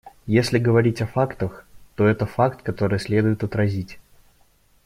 Если говорить о фактах, то это факт, который следует отразить.